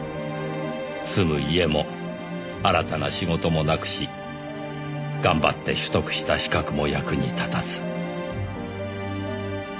住む家も新たな仕事もなくし頑張って取得した資格も役に立たず。